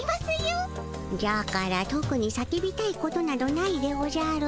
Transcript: じゃからとくに叫びたいことなどないでおじゃる。